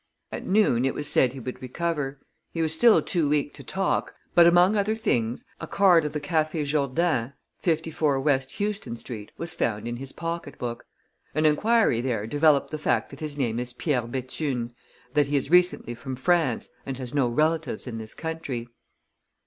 At noon, it was said he would recover. He was still too weak to talk, but among other things, a card of the Café Jourdain, 54 West Houston Street, was found in his pocket book. An inquiry there developed the fact that his name is Pierre Bethune, that he is recently from France, and has no relatives in this country.